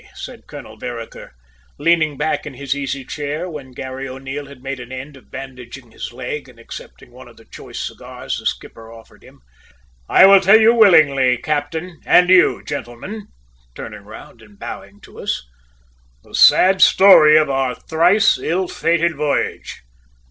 said Colonel Vereker, leaning back in his easy chair when Garry O'Neil had made an end of bandaging his leg, and accepting one of the choice cigars the skipper offered him. "I will tell you willingly, captain, and you, gentlemen, turning round and bowing to us, the sad story of our thrice ill fated voyage."